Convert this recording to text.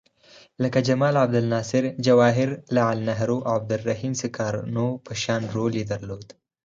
لکه جمال عبدالناصر، جواهر لعل نهرو او عبدالرحیم سکارنو په شان رول یې درلود.